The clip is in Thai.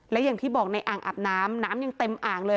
และอย่างที่บอกในอ่างอาบน้ำน้ำยังเต็มอ่างเลย